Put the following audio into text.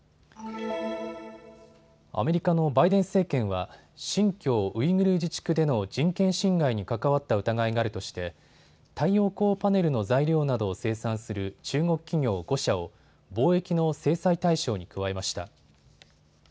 アメリカのバイデン政権は新疆ウイグル自治区での人権侵害に関わった疑いがあるとして太陽光パネルの材料などを生産する中国企業５社を貿易の制裁対象に加えました。